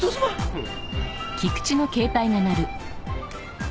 うん。